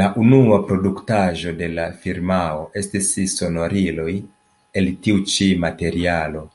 La unua produktaĵo de la firmao estis sonoriloj el tiu ĉi materialo.